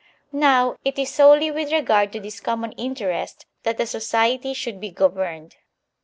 Now, it is solely with regard to this common interest that the society should be governed.